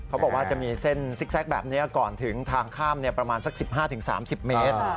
เขาบอกว่าจะมีเส้นซิกแบบนี้ก่อนถึงทางข้ามประมาณสัก๑๕๓๐เมตร